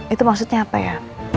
itu maksudnya apa ya